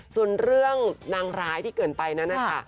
ส่วนเรื่องนางร้ายที่เกินไปนั้นนะคะ